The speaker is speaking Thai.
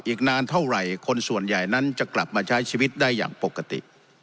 อีกนานเท่าไหร่คนส่วนใหญ่นั้นจะกลับมาใช้ชีวิตได้อย่างปกติ